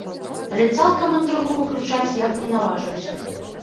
Але цалкам інтрыгу выключаць я б не наважыўся.